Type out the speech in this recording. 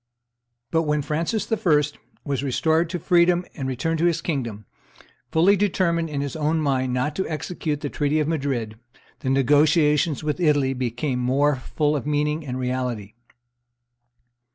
But when Francis I. was restored to freedom and returned to his kingdom, fully determined in his own mind not to execute the treaty of Madrid, the negotiations with Italy became more full of meaning and reality.